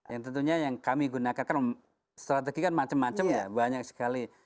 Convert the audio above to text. yang tentunya yang kami gunakan kan strategi kan macam macam ya banyak sekali